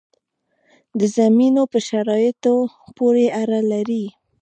د زمینو په شرایطو پورې اړه لري.